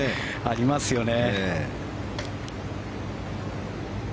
ありますよね。